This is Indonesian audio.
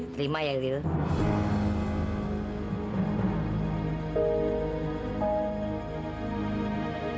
terima ya lila